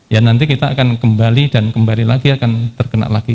ya nanti kita akan kembali dan kembali lagi akan terkena lagi